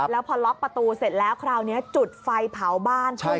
แล้วพอล็อกประตูเสร็จแล้วคราวนี้จุดไฟเผาบ้านใช่ไหม